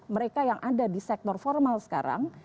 mereka yang ada di sektor formal sekarang